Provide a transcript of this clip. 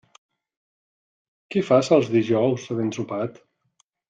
Què fas els dijous havent sopat?